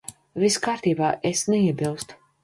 Viss kārtībā. Es neiebilstu.